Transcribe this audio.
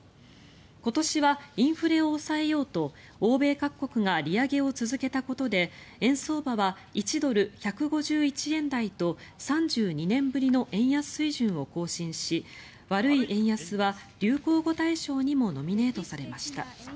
今年はインフレを抑えようと欧米各国が利上げを続けたことで円相場は１ドル＝１５１円台と３２年ぶりの円安水準を更新し「悪い円安」は流行語大賞にもノミネートされました。